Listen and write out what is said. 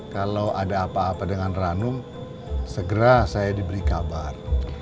kalau ada apa apa dengan ranum segera saya diberi kabar